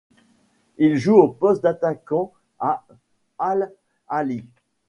Il joue au poste d'attaquant à Al Ahly.